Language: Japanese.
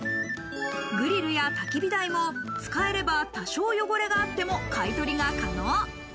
グリルやたき火台も使えれば、多少汚れがあっても、買い取りが可能。